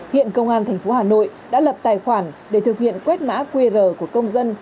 hiện công an tp hà nội đã lập tài khoản để thực hiện quét mã qr của công dân